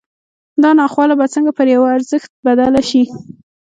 دا ناخواله به څنګه پر یوه ارزښت بدله شي